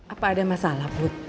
apa ada masalah bud